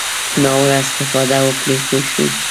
ناوړه استفاده وکړي پوه شوې!.